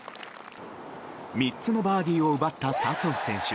３つのバーディーを奪った笹生選手。